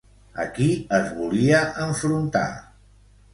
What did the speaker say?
A qui es volia enfrontar?